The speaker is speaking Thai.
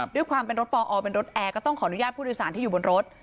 ด้วยความเป็นรถปอเป็นรถแอร์ก็ต้องขออนุญาตผู้โดยสารที่อยู่บนรถ